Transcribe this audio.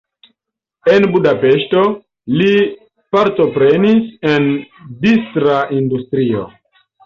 En Budapeŝto li partoprenis en la distra industrio.